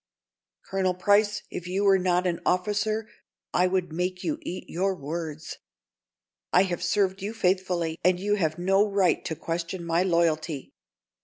"Colonel Price, if you were not an officer I would make you eat your words. I have served you faithfully, and you have no right to question my loyalty.